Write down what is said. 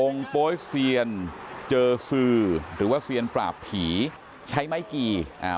โป๊ยเซียนเจอสื่อหรือว่าเซียนปราบผีใช้ไม้กี่อ่า